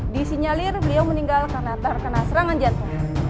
disinyalir beliau meninggal karena terkena serangan jantung